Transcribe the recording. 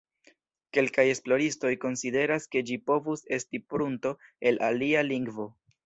Kelkaj esploristoj konsideras ke ĝi povus estis prunto el alia lingvo.